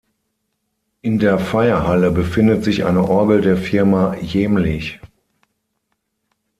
In der Feierhalle befindet sich eine Orgel der Firma Jehmlich.